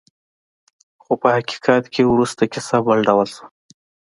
خو په حقیقت کې وروسته کیسه بل ډول شوه.